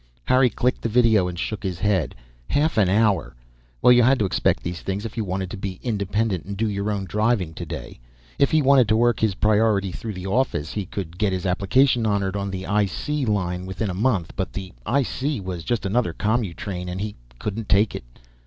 Harry clicked the video and shook his head. Half an hour! Well, you had to expect these things if you wanted to be independent and do your own driving today. If he wanted to work his priority through the office, he could get his application honored on the I.C. Line within a month. But the I.C. was just another commutrain, and he couldn't take it.